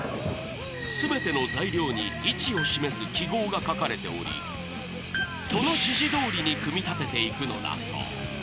すべての材料に位置を示す記号が書かれており、その指示どおりに組み立てていくのだそう。